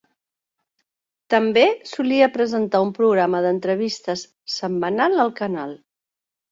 També solia presentar un programa d'entrevistes setmanal al canal.